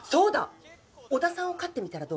小田さんを飼ってみたらどう？